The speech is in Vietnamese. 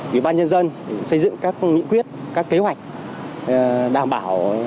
ủy ban nhân dân xây dựng các nghị quyết các kế hoạch đảm bảo